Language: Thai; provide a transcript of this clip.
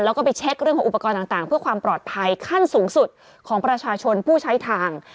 แล้วก็ไปเช็คเรื่องของอุปกรณ์ต่างเพื่อความปลอดภัยขั้นสูงสุดของประชาชนผู้ใช้ทาง